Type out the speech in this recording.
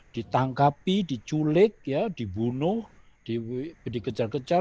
ditangkapi diculik dibunuh dikejar kejar